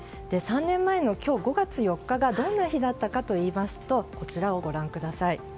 ３年前の今日、５月４日がどんな日だったかといいますとこちらをご覧ください。